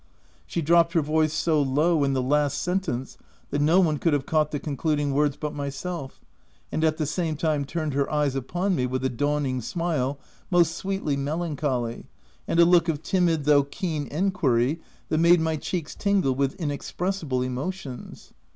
She dropped her voice so low in the last sentence that no one could have caught the concluding words but myself, and at the same time turned her eyes upon me with a dawning smile, most sweetly melancholy, and a look of timid though keen enquiry that made my cheeks tingle with inexpressible emotions.